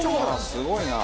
すごいな。